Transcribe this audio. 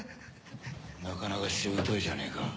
なかなかしぶといじゃねえか。